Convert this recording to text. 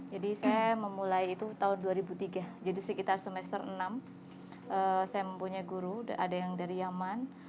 jadi saya memulai itu tahun dua ribu tiga jadi sekitar semester enam saya mempunyai guru ada yang dari yaman